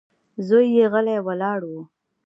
زوی يې غلی ولاړ و.